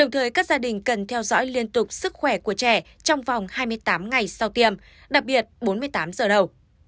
trẻ cần theo dõi liên tục sức khỏe của trẻ trong vòng hai mươi tám ngày sau tiêm đặc biệt bốn mươi tám giờ đầu